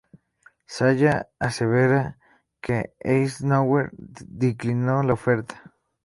Salla asevera que Eisenhower declinó la oferta.